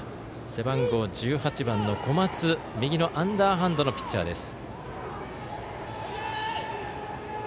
背番号１８番の小松右のアンダーハンドのピッチャーです。